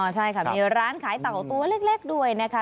ใช่ค่ะมีร้านขายเต่าตัวเล็กด้วยนะคะ